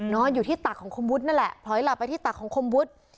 นอนอยู่ที่ตักของคมวุฒินั่นแหละพลอยหลับไปที่ตักของคมวุฒิ